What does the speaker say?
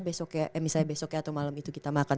besoknya eh misalnya besoknya atau malam itu kita makan